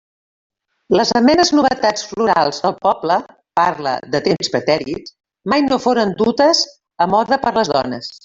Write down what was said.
Les amenes novetats florals del poble —parle de temps pretèrits— mai no foren dutes a moda per les dones.